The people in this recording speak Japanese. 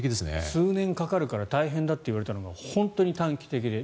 数年かかるから大変だといわれたのが本当に短期的で。